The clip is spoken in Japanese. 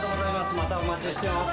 またお待ちしています。